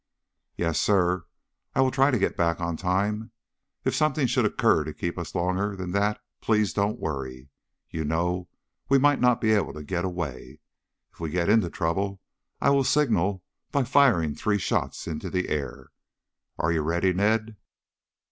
"Yes, sir, I will try to get back on time. If something should occur to keep us longer than that please don't worry. You know we might not be able to get away. If we get into trouble I will signal by firing three shots into the air. Are you ready, Ned?"